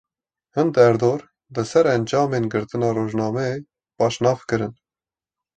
Hin derdor, li ser encamên girtina rojnameyê baş nafikirin